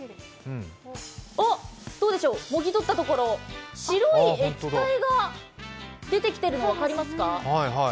お、どうでしょう、もぎとったところ白い液体が出てきてるの分かりますか？